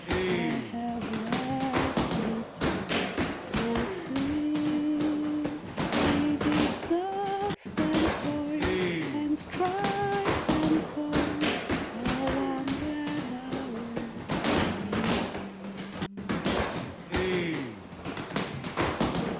I have left it all, O Sea! With its dust and soil and strife and toil, For one glad hour with thee.